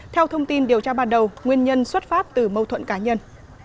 theo thông tin điều tra bắt đầu nguyên nhân xuất phát từ mâu thuận cá nhân